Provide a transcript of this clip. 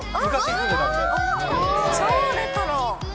超レトロ。